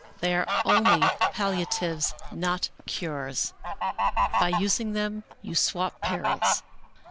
They are only palliatives, not cures. By using them you swap perils.